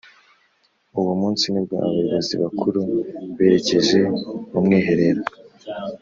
Uwo munsi nibwo abayobozi bakuru berekeje mumwiherero